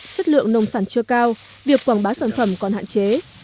chất lượng nông sản chưa cao việc quảng bá sản phẩm còn hạn chế